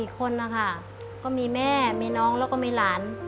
๔คนนะคะก็มีแม่มีน้องแล้วก็มีหลาน